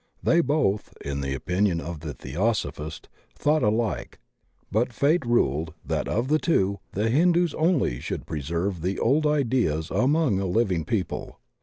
They both, in the opinion of the Theosophist, thought alike, but fate ruled that of the two the Hindus only should preserve the old ideas among a Uving people.